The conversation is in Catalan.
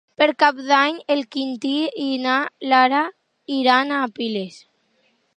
Per Cap d'Any en Quintí i na Lara iran a Piles.